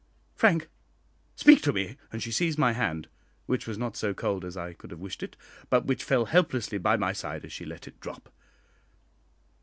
"Frank, speak to me!" and she seized my hand, which was not so cold as I could have wished it, but which fell helplessly by my side as she let it drop.